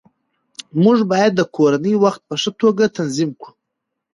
موږ باید د کورنۍ وخت په ښه توګه تنظیم کړو